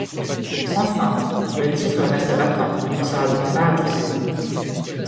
Enfin, le titre reste vacant et ne sera donc pas attribué.